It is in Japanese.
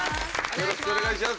よろしくお願いします。